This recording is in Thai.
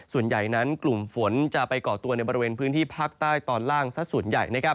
ส่วนใหญ่นั้นกลุ่มฝนจะไปก่อตัวในบริเวณพื้นที่ภาคใต้ตอนล่างสักส่วนใหญ่